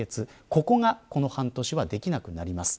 ここが、この半年はできなくなります。